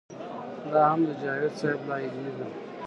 دا هم د جاوېد صېب لا علمي ده